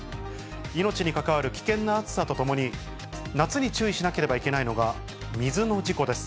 命に関わる危険な暑さとともに、夏に注意しなければいけないのが、水の事故です。